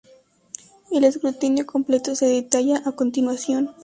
El escrutinio completo se detalla a continuación.